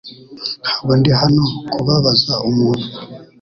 Ntabwo ndi hano kubabaza umuntu .